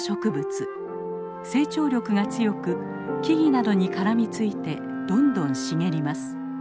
成長力が強く木々などに絡みついてどんどん茂ります。